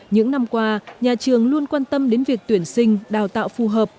những năm qua nhà trường luôn quan tâm đến việc tuyển sinh đào tạo phù hợp